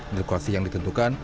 dekuasi yang ditentukan